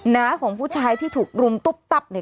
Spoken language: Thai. น้าของผู้ชายที่ถูกรุมตุ๊บตับเนี่ย